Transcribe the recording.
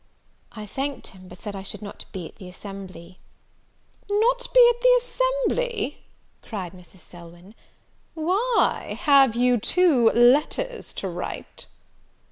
I thanked him, but said I should not be at the assembly. "Not be at the assembly?" cried Mrs. Selwyn, "Why, have you, too, letters to write?"